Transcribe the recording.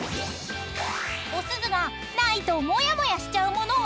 ［おすずがないとモヤモヤしちゃうものは？］